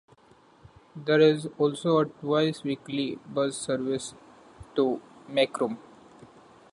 There is also a twice weekly bus service to Macroom.